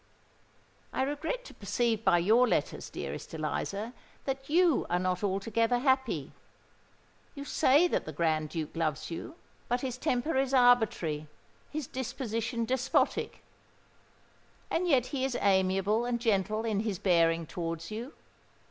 "I regret to perceive by your letters, dearest Eliza, that you are not altogether happy. You say that the Grand Duke loves you; but his temper is arbitrary—his disposition despotic. And yet he is amiable and gentle in his bearing towards you.